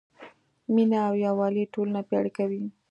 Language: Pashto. مینه او یووالی ټولنه پیاوړې کوي.